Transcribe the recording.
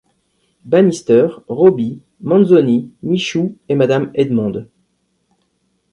Banister, Robbie, Manzoni, Michou et Mme Edmonde.